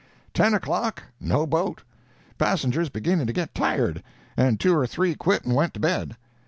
Ten o'clock—no boat; passengers beginning to get tired, and two or three quit and went to bed.